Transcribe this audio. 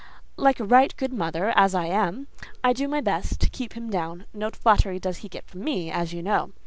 Like a right good mother, as I am, I do my best to keep him down: no flattery does he get from me, as you know.